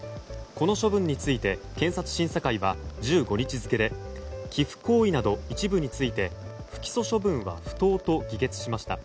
この処分について検察審査会は１５日付で寄付行為など一部について不起訴処分は不当と議決しました。